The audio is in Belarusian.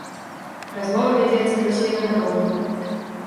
Размова вядзецца пра свінагадоўлю!